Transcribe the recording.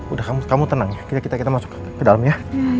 udah kamu tenang ya kita masuk ke dalam ya